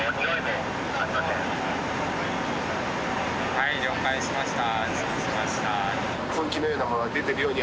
はい了解しました。